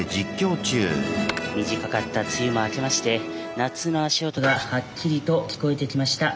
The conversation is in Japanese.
短かった梅雨も明けまして夏の足音がはっきりと聞こえてきました